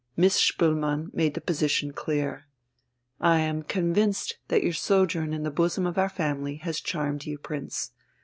Miss Spoelmann made the position clear: "I am convinced that your sojourn in the bosom of our family has charmed you, Prince."